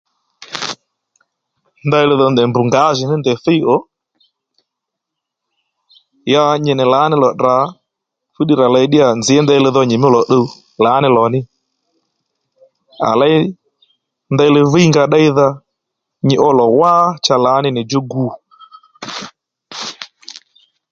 Ndeyli dho ndèy mb ngǎjìní ndèy thíy ò ya nyi nì lǎní lò tdrǎ fúddiy rà ley nzǐ ddíyà fú li rà nyìmí lò tduw lǎní lò ní à léy ndeyli dhíy nga ddéydha nyi ó lò wá lǎní nì djú gu